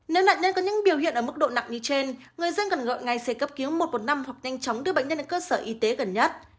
nếu nạn nhân có những biểu hiện ở mức độ nặng như trên người dân cần gọi ngay xe cấp cứu một trăm một mươi năm hoặc nhanh chóng đưa bệnh nhân đến cơ sở y tế gần nhất